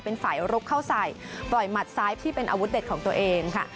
เป็นฝ่ายลุกเข้าใส่ปล่อยหมัดซ้ายที่เป็นอาวุธเด็ดของตัวเองค่ะ